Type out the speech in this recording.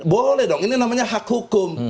boleh dong ini namanya hak hukum